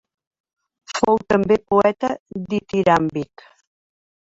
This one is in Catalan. Fou també poeta ditiràmbic.